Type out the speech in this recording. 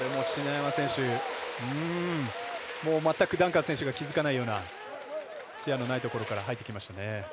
篠山選手、まったくダンカン選手が気付かないような視野のないところから入ってきましたね。